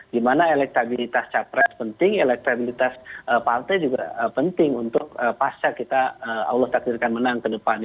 dimana elektabilitas capres penting elektabilitas partai juga penting untuk pasca kita allah takdirkan menang ke depan